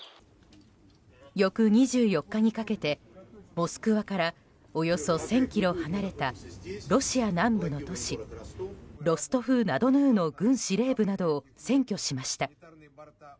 翌２４日にかけて、モスクワからおよそ１０００ｋｍ離れたロシア南部の都市ロストフ・ナ・ドヌーの軍司令部などを占拠しました。